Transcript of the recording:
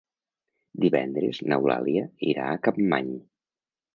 Divendres n'Eulàlia irà a Capmany.